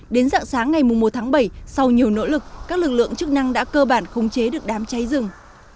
đến dạng sáng ngày một tháng bảy sau nhiều nỗ lực các lực lượng chức năng đã cơ bản khống chế được đám cháy rừng